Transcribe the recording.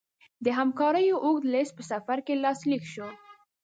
د همکاریو اوږد لېست په سفر کې لاسلیک شو.